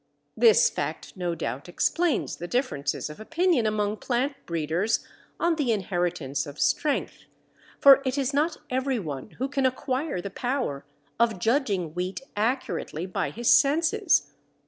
This fact no doubt explains the differences of opinion among plant breeders on the inheritance of strength, for it is not every one who can acquire the power of judging wheat accurately by his senses.